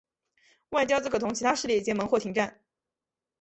外交则可同其他势力结盟或停战。